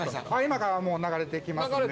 今からもう流れてきますので。